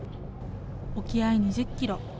沖合２０キロ。